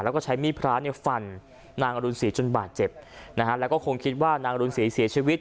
แล้วก็ใช้มีดพระเนี่ยฟันนางอรุณศรีจนบาดเจ็บนะฮะแล้วก็คงคิดว่านางรุนศรีเสียชีวิต